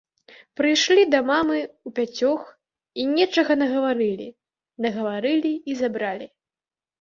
Прыйшлі да мамы ўпяцёх і нечага нагаварылі, нагаварылі і забралі.